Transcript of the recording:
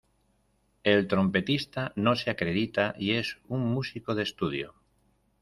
El trompetista no se acredita y es un músico de estudio.